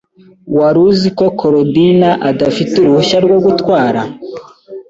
Wari uzi ko Korodina adafite uruhushya rwo gutwara?